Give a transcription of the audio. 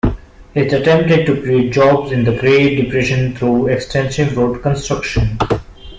It attempted to create jobs in the Great Depression through extensive road construction.